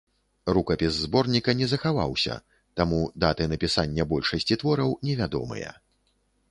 Рукапіс зборніка не захаваўся, таму даты напісання большасці твораў невядомыя.